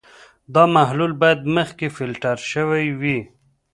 دا محلول باید مخکې فلټر شوی وي.